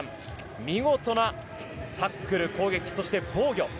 見事なタックル、攻撃そして防御。